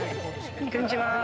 こんにちは。